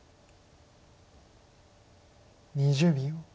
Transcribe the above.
２０秒。